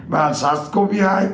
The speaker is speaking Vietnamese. và sars cov hai đã